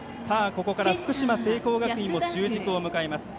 ここから福島・聖光学院の中軸を迎えます。